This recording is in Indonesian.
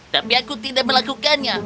tapi aku tidak melakukannya